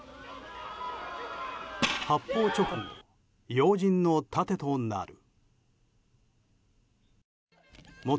発砲直後、要人の盾となる。